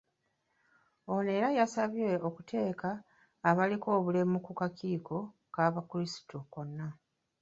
Ono era yasabye okuteeka abaliko obulemu ku kakiiko k'abakrisitu kano.